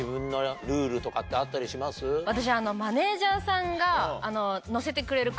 私。